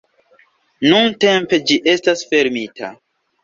Nuntempe, ĝi estas fermita".